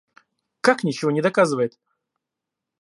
Как ничего не доказывает?